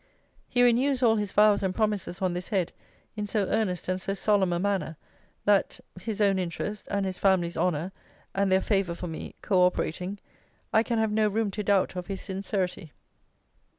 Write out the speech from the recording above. He renews all his vows and promises on this head in so earnest and so solemn a manner, that (his own interest, and his family's honour, and their favour for me, co operating) I can have no room to doubt of his sincerity.